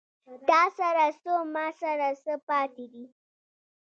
تاســـره څـــه، ما ســـره څه پاتې دي